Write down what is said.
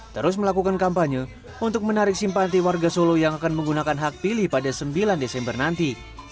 terus melakukan kampanye untuk menarik simpati warga solo yang akan menggunakan hak pilih pada sembilan desember nanti